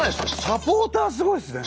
サポーターすごいですね。